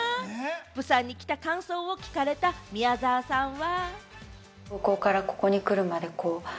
プサンに来た感想を聞かれた宮沢さんは。